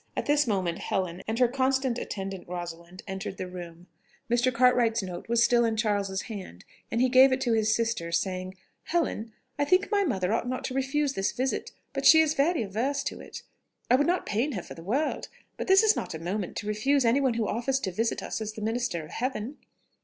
At this moment, Helen, and her constant attendant Rosalind, entered the room. Mr. Cartwright's note was still in Charles's hand, and he gave it to his sister, saying, "Helen, I think my mother ought not to refuse this visit; but she is very averse to it. I would not pain her for the world; but this is not a moment to refuse any one who offers to visit us as the minister of Heaven."